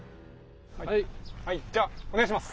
じゃあお願いします！